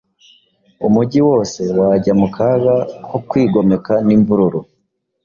umugi wose wajya mu kaga ko kwigomeka n’imvururu.